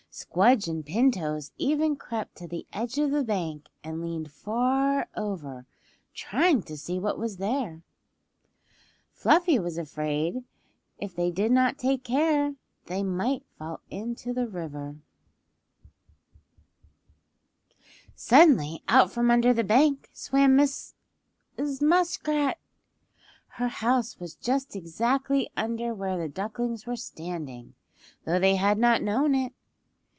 Squdge and Pin Toes even crept to the edge of the bank and leaned far over trying to see what was there. Fluffy was afraid if they did not take care they might fall into the river. [Illustration: Instead of taking it Bright Eyes looked quite disgusted] Suddenly out from under the bank swam old Mrs. Muskrat. Her house was just exactly under where the ducklings were standing, though they had not known it.